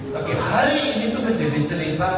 tapi hari ini tuh menjadi cerita